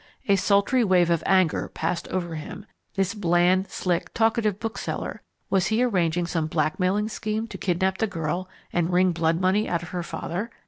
A sultry wave of anger passed over him. This bland, slick, talkative bookseller, was he arranging some blackmailing scheme to kidnap the girl and wring blood money out of her father?